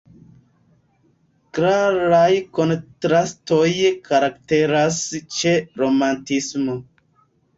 Klaraj kontrastoj karakteras ĉe romantismo.